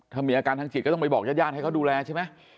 ถ้ามีอาการทางจิตก็ต้องไปบอกญาติญาติให้เขาดูแลใช่ไหม